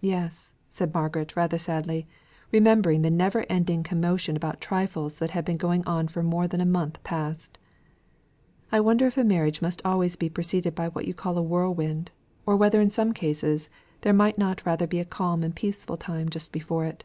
"Yes," said Margaret, rather sadly, remembering the never ending commotion about trifles that had been going on for more than a month past: "I wonder if a marriage must always be preceded by what you call a whirlwind, or whether in some cases there might not rather be a calm and peaceful time just before it."